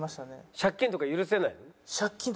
借金とか許せないの？